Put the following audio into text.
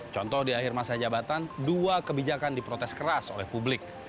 contoh di akhir masa jabatan dua kebijakan diprotes keras oleh publik